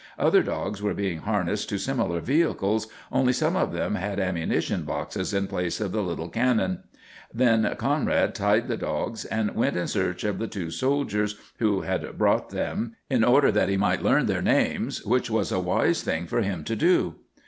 Other dogs were being harnessed to similar vehicles, only some of them had ammunition boxes in place of the little cannon. Then Conrad tied the dogs and went in search of the two soldiers who had brought them, in order that he might learn their names, which was a wise thing for him to do.